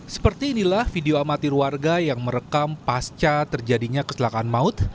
seperti inilah video amatir warga yang merekam pasca terjadinya keselakaan maut